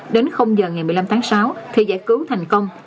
đến giờ ngày một mươi năm tháng sáu thì giải cứu thành công